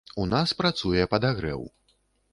У нас працуе падагрэў.